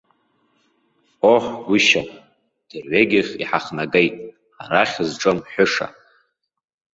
Оҳ, гәышьа, дырҩегьх иҳахнагеит, арахь зҿы мҳәыша!